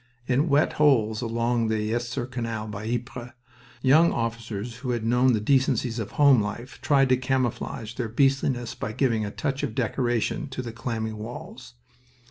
In wet holes along the Yser Canal by Ypres, young officers who had known the decencies of home life tried to camouflage their beastliness by giving a touch of decoration to the clammy walls.